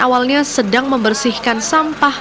awalnya sedang membersihkan sampah